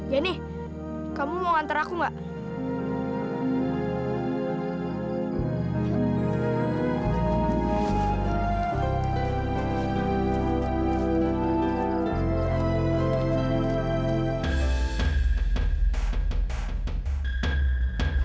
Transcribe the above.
jenny kamu mau nganter aku nggak